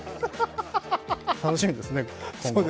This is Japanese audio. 楽しみですね、今後。